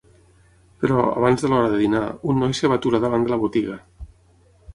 Però, abans de l'hora de dinar, un noi es va aturar davant de la botiga.